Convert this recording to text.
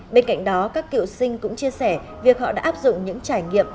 bên cạnh đó các cựu sinh cũng chia sẻ việc họ đã áp dụng những trải nghiệm